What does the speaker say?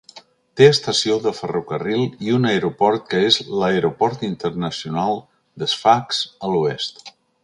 Té estació de ferrocarril i un aeroport que és l'Aeroport Internacional de Sfax a l'oest.